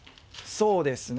そうですね。